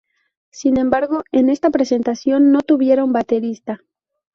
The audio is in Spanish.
Sin embargo, en esa presentación no tuvieron baterista.